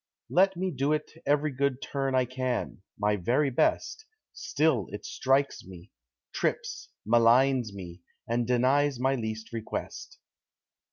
Let me do it every good turn that I can my very best, Still it strikes me, trips, maligns me, and denies my least request.